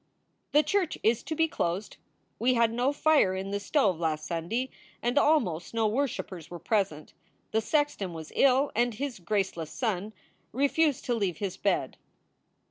The church is to be closed. We had no fire in the stove last Sun day and almost no worshipers were present. The sexton was ill and his graceless son refused to leave his bed.